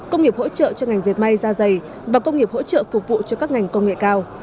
công nghiệp hỗ trợ cho ngành dệt may ra dày và công nghiệp hỗ trợ phục vụ cho các ngành công nghệ cao